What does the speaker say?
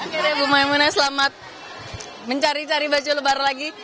akhirnya ibu maimuna selamat mencari cari baju lebaran lagi